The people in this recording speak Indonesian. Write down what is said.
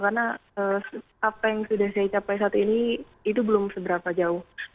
karena apa yang sudah saya capai saat ini itu belum seberapa jauh